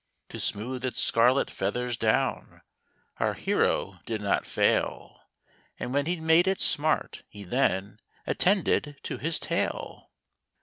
To smooth its scarlet feathers down, Our hero did not fail, And when he'd made it smart, he then Attended to his tail